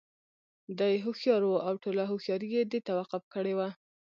دى هوښيار وو او ټوله هوښياري یې دې ته وقف کړې وه.